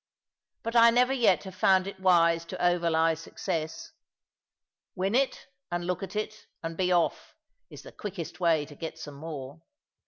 But I never yet have found it wise to overlie success. Win it, and look at it, and be off, is the quickest way to get some more.